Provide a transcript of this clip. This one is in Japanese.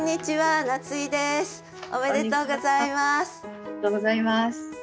ありがとうございます。